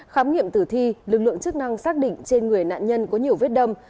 khám nghiệm tử thi lực lượng chức năng xác định trên người nạn nhân có nhiều vết đâm